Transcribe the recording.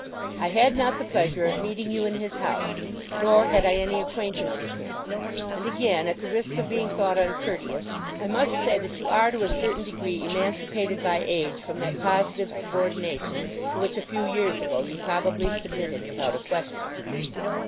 I had not the pleasure of meeting you in his house, nor had I any acquaintance with him. And again, at the risk of being thought uncourteous, I must say that you are to a certain degree emancipated by age from that positive subordination to which a few years ago you probably submitted without a question.